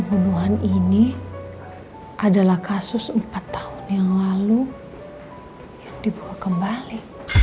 kebenaran ini adalah kasus empat tahun yang lalu yang dibuka kembali